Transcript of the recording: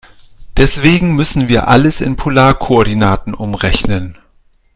Deswegen müssen wir alles in Polarkoordinaten umrechnen.